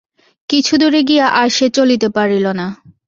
কিছুদূরে গিয়া আর সে চলিতে পারিল না।